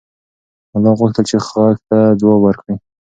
ملا غوښتل چې غږ ته ځواب ورکړي.